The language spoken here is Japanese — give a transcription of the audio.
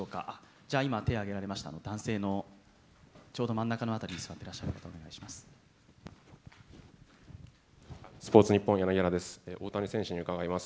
じゃあ、今手を挙げられた男性の、ちょうど真ん中辺りに座ってらっしゃる方、大谷選手に伺います。